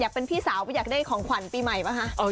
เป็นพี่สาวอยากได้ของขวัญปีใหม่ป่ะคะ